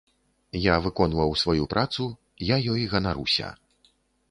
Я выконваў сваю працу, я ёй ганаруся.